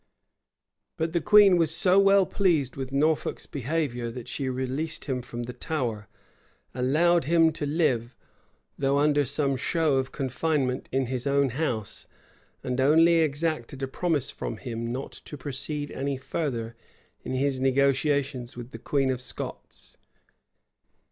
But the queen was so well pleased with Norfolk's behavior, that she released him from the Tower; allowed him to live, though under some show of confinement, in his own house; and only exacted a promise from him not to proceed any further in his negotiations with the queen of Scots.